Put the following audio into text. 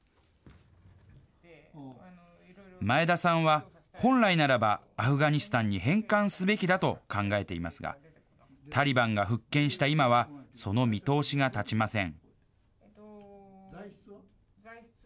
前田さんは、本来ならばアフガニスタンに返還すべきだと考えていますが、タリバンが復権した今は、その見通しが立ちません。